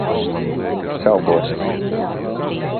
Šaubos.